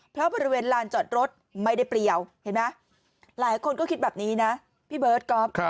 เพราะบริเวณลานจอดรถไม่ได้เปรียวเห็นไหมหลายคนก็คิดแบบนี้นะพี่เบิร์ตก๊อฟ